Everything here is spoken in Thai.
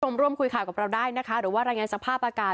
ร่วมคุยข่าวกับเราได้นะคะหรือว่ารายงานสภาพอากาศ